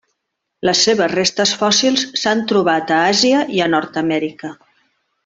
Les seves restes fòssils s'han trobat a Àsia i a Nord-amèrica.